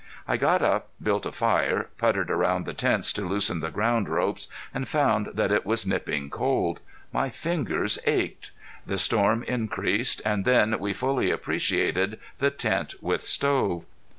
I got up, built a fire, puttered around the tents to loosen the ground ropes, and found that it was nipping cold. My fingers ached. The storm increased, and then we fully appreciated the tent with stove.